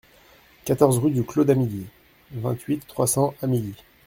quatorze rue du Clos d'Amilly, vingt-huit, trois cents, Amilly